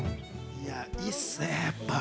いや、いいっすね、やっぱ。